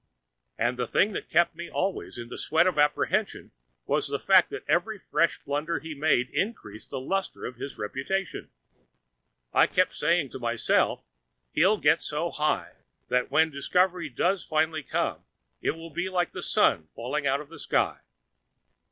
And the thing that kept me always in a sweat of apprehension was the fact that every fresh blunder he made increased the lustre of his reputation! I kept saying to myself, he'll get so high that when discovery does finally come it will be like the sun falling out of the sky.